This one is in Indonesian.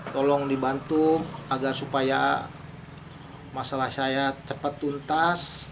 tolong dibantu agar supaya masalah saya cepat tuntas